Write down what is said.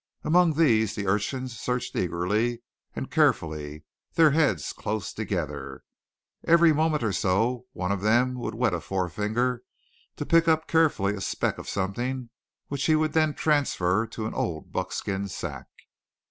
Among these the urchins searched eagerly and carefully, their heads close together. Every moment or so one of them would wet a forefinger to pick up carefully a speck of something which he would then transfer to an old buckskin sack.